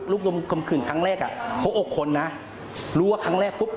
ลมคมขื่นครั้งแรกอ่ะเขาอกคนนะรู้ว่าครั้งแรกปุ๊บ